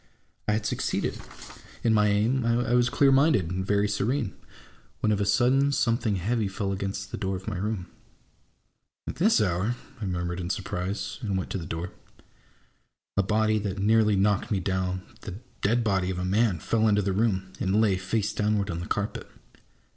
I had succeeded MY ENEMY AND MYSELF. 7 1 in my aim, I was clear minded and very serene, when of a sudden something heavy fell against the door of my room. " At this hour ?" I murmured in surprise, and went to the door. A body that nearly knocked me down, the dead body of a man, fell into the room, and lay, face downward, on the carpet.